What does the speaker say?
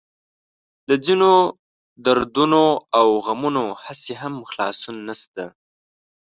له ځينو دردونو او غمونو هسې هم خلاصون نشته.